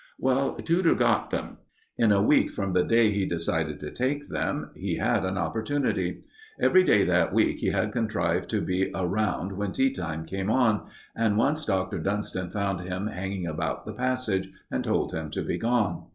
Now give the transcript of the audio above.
Well, Tudor got them. In a week from the day he decided to take them, he had an opportunity. Every day that week he had contrived to be around when tea time came on, and once Dr. Dunston found him hanging about the passage, and told him to be gone.